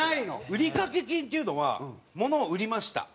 売掛金っていうのは物を売りました。